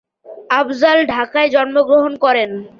আফজাল ঢাকায় জন্মগ্রহণ করেন।